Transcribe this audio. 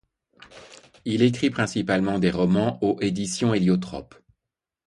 Il écrit principalement des romans au Édition Héliotrope.